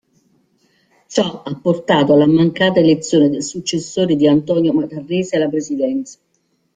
Ciò ha portato alla mancata elezione del successore di Antonio Matarrese alla presidenza.